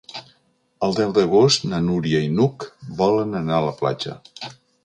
El deu d'agost na Núria i n'Hug volen anar a la platja.